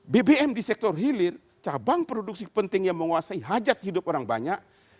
bbm di sektor hilir cabang produksi penting yang menguasai hajat hidup orang banyak